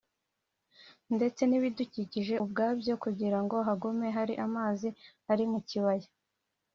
ndetse n’ibidukikije ubwabyo kugira ngo hagume hari amazi ari mu kibaya